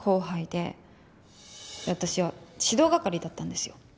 で私は指導係だったんですよ。